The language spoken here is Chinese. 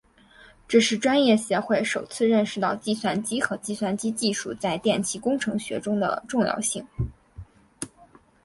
这是专业协会首次认识到计算机和计算机技术在电气工程学中的重要性。